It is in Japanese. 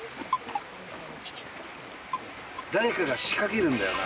誰かが仕掛けるんだよな